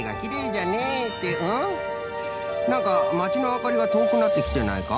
なんかまちのあかりがとおくなってきてないか？